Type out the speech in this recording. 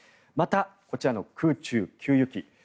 また、こちらの空中給油機。